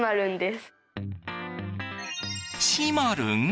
しまるん？